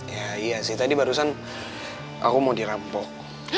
ya iya sih tadi barusan aku mau dirampok